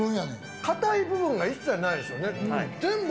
硬い部分が一切ないですよね。